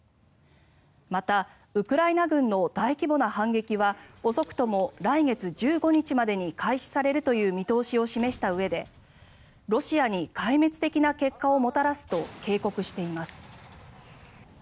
また、ウクライナ軍の大規模な反撃は遅くとも来月１５日までに開始されるという見通しを示したうえでロシアに壊滅的な結果をもたらすと警告しています。